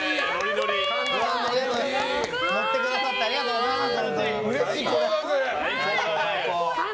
ノってくださってありがとうございます。